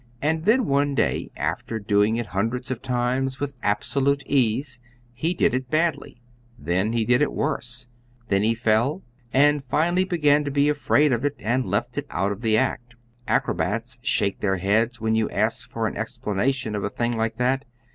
And then one day, after doing it hundreds of times with absolute ease, he did it badly, then he did it worse, then he fell, and finally began to be afraid of it and left it out of the act. Acrobats shake their heads when you ask for an explanation of a thing like that.